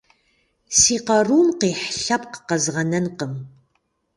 Си къарум къихь лъэпкъ къэзгъэнэнкъым!